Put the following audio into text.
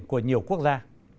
của nhiều quốc gia